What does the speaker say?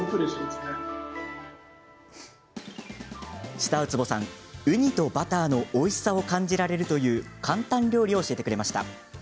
下苧坪さん、ウニとバターのおいしさを感じられるという簡単料理を教えてくれました。